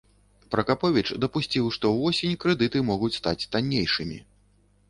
Пракаповіч дапусціў, што ўвосень крэдыты могуць стаць таннейшымі.